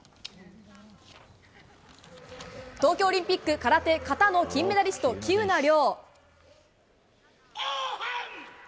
東京オリンピック空手形の金メダリスト、喜友名諒。